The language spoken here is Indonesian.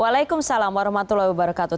waalaikumsalam warahmatullahi wabarakatuh